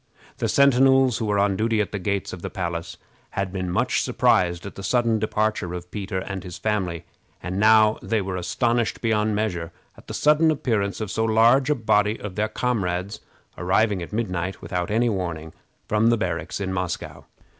The sentinels who were on duty at the gates of the palace had been much surprised at the sudden departure of Peter and his family, and now they were astonished beyond measure at the sudden appearance of so large a body of their comrades arriving at midnight, without any warning, from the barracks in Moscow.